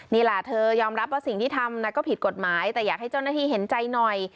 นี่แหละเธอยอมรับว่าสิ่งที่ทำก็ผิดกฎหมายแต่อยากให้เจ้าหน้าที่เห็นใจหน่อย